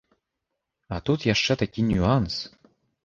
А тут яшчэ такі нюанс.